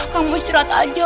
kamu istirahat aja